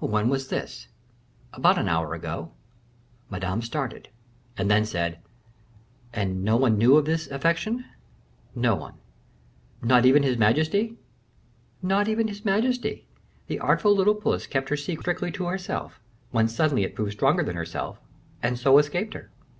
"When was this?" "About an hour ago." Madame started, and then said, "And no one knew of this affection?" "No one." "Not even his majesty?" "Not even his majesty. The artful little puss kept her secret strictly to herself, when suddenly it proved stronger than herself, and so escaped her."